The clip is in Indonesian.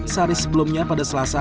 sehari sebelumnya pada selasa